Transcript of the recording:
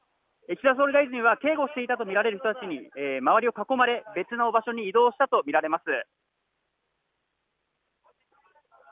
総理大臣は警護していたと見られる人たちに周りを囲まれ別の場所に移動したと見られます。